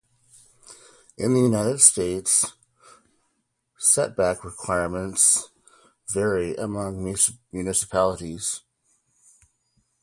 In the United States, setback requirements vary among municipalities.